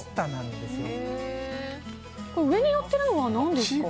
上にのってるのは何ですか？